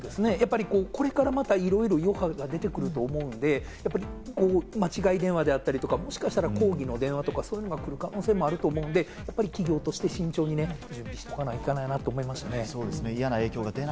これからまた余波が出てくると思うんで、間違い電話であったりとか、もしかしたら抗議の電話とかくる可能性もあると思うんで、企業として慎重にしておかなきゃいけないなと思いました。